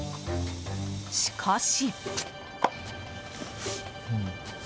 しかし。